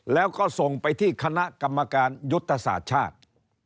แล้วก็ส่งไปที่คณะกรรมการยุทธศาสตร์ชาติ